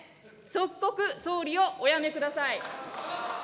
即刻、総理をお辞めください。